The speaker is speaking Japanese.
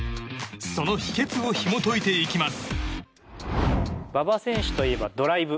その秘訣をひも解いていきます。